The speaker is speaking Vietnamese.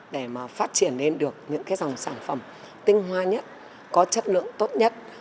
để mà phát triển lên được những cái dòng sản phẩm tinh hoa nhất có chất lượng tốt nhất